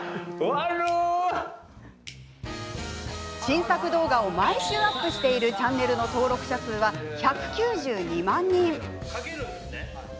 新作動画を毎週アップしているチャンネルの登録者数は１９２万人。